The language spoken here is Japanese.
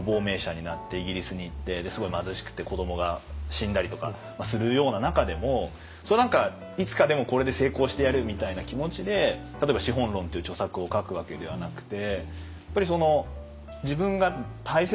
すごい貧しくて子どもが死んだりとかするような中でも何かいつかでもこれで成功してやるみたいな気持ちで例えば「資本論」という著作を書くわけではなくて。